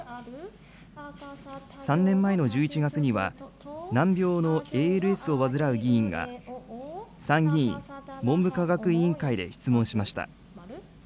３年前の１１月には、難病のＡＬＳを患う議員が、参議院文部科学委員会で質問しました。